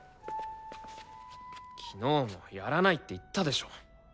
昨日もやらないって言ったでしょ。